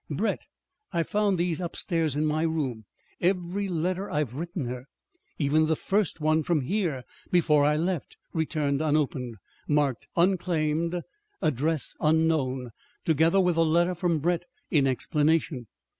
"Brett. I found these upstairs in my room every letter I've written her even the first one from here before I left returned unopened, marked 'unclaimed, address unknown,' together with a letter from Brett in explanation.